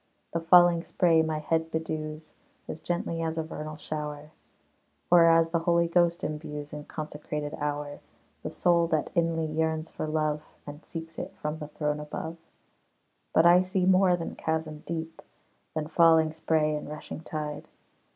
The falling spray my head bedews, As gently as a vernal shower; Or, as the Holy Ghost imbues In consecrated hour, The soul that inly yearns for love, And seeks it from the throne above. But I see more than chasm deep, Than falling spray and rushing tide.